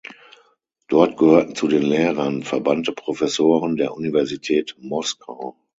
Dort gehörten zu den Lehrern verbannte Professoren der Universität Moskau.